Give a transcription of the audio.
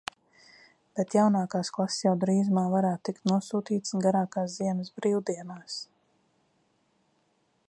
Bet jaunākās klases jau drīzumā varētu tikt nosūtītas garākās ziemas brīvdienās.